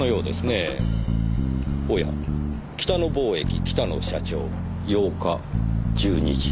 「北野貿易北野社長」８日１２時。